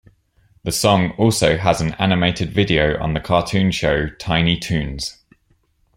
The song also has an animated video on the cartoon show Tiny Toons.